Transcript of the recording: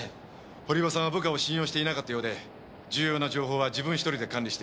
堀場さんは部下を信用していなかったようで重要な情報は自分一人で管理していました。